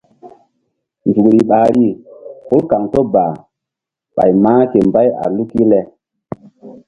Nzukri ɓahri hul kaŋto ba ɓay mah ke mbay a luk le.